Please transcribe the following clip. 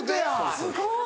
すごい。